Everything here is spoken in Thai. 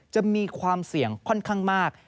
จะมีความเสี่ยงค่อนข้างมาก